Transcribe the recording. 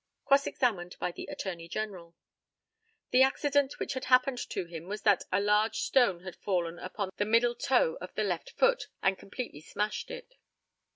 Cross examined by the ATTORNEY GENERAL. The accident which had happened to him was that a large stone had fallen upon the middle toe of the left foot, and completely smashed it.